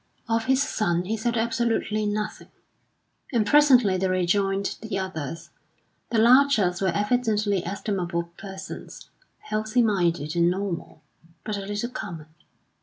Of his son he said absolutely nothing, and presently they rejoined the others. The Larchers were evidently estimable persons, healthy minded and normal, but a little common.